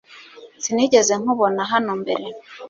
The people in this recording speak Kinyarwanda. Sinigeze nkubona hano mbere